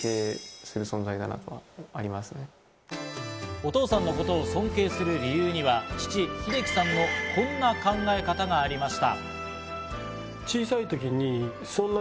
お父さんのことを尊敬する理由には、父・秀樹さんのこんな考え方がありました。